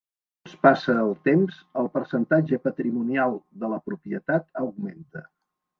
Segons passa el temps, el percentatge patrimonial de la propietat augmenta.